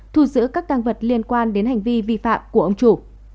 thu giữ các tăng vật liên quan đến hành vi vi phạm của ông chủ